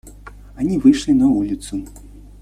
Они вышли на улицу.